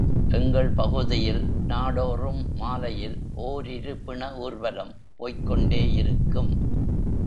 எங்கள் பகுதியில் நாடோறும் மாலையில் ஓரிரு பிண ஊர்வலம் போய்க் கொண்டேயிருக்கும்.